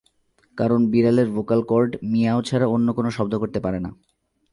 কারণ বিড়ালের vocal cord মিয়াও ছাড়া অন্য কোনো শব্দ করতে পারে না।